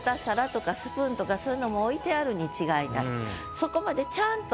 そこまでちゃんと